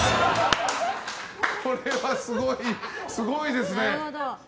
これはすごいですね。